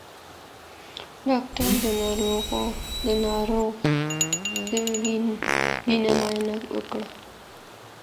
ډاکټر د ناروغ د وینې معاینه وکړه.